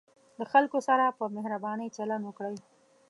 له خلکو سره په مهربانۍ چلند وکړئ.